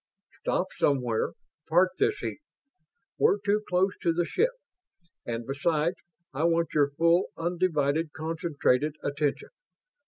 "Stop somewhere. Park this heap. We're too close to the ship; and besides, I want your full, undivided, concentrated attention.